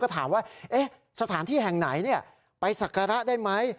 ถามว่าสถานที่แห่งไหนไปสักการะได้ไหม